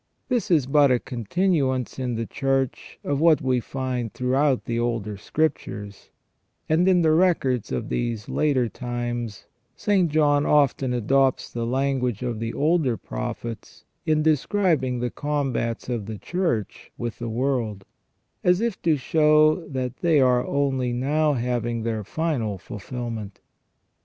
This is but a continuance in the Church of what we find throughout the older Scriptures, and in the records of these later times St. John often adopts the language of the older prophets in describing the combats of the Church with the world, as if to show that they are only now having their final fulfilment.